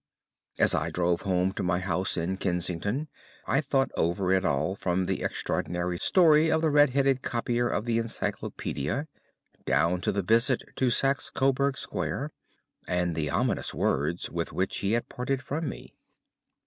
As I drove home to my house in Kensington I thought over it all, from the extraordinary story of the red headed copier of the Encyclopædia down to the visit to Saxe Coburg Square, and the ominous words with which he had parted from me.